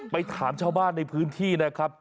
ไปถามชาวบ้านในพื้นที่นะครับ